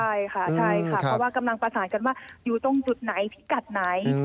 ใช่ค่ะใช่ค่ะเพราะว่ากำลังประสานกันว่าอยู่ตรงจุดไหนพิกัดไหน